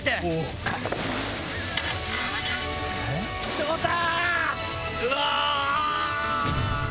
翔太！